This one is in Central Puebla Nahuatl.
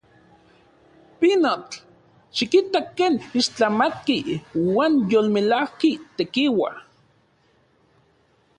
¡Pinotl! ¡Xikita ken ixtlamatki uan yolmelajki tekiua!